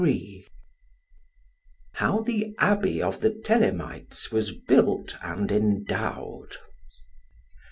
How the abbey of the Thelemites was built and endowed.